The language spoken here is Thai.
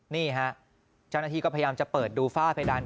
นี่ฮะเจ้าหน้าที่ก็พยายามจะเปิดดูฝ้าเพดาน